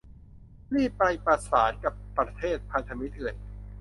รีบไปประสานกับประเทศพันธมิตรอื่น